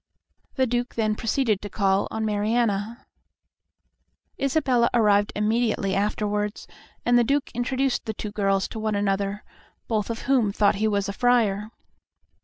The Duke then proceeded to call on Mariana. Isabella arrived immediately afterwards, and the Duke introduced the two girls to one another, both of whom thought he was a friar.